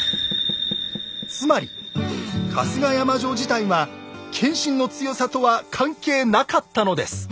つまり春日山城自体は謙信の強さとは関係なかったのです。